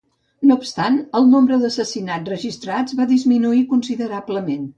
No obstant, el nombre d'assassinats registrats va disminuir considerablement.